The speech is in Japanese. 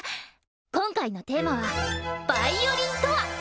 今回のテーマは「ヴァイオリンとは？」。